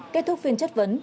kết thúc phiên chất vấn